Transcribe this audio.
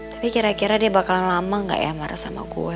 tapi kira kira dia bakalan lama gak ya marah sama gue